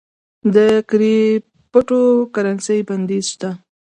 د کریپټو کرنسی بندیز شته؟